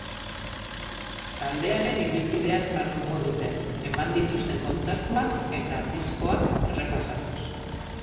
Taldearen ibilbideaz jardungo dute, eman dituzten kontzertuak eta diskoak errepasatuz.